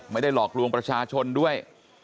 ไม่ได้หลอกลวงประชาชนด้วย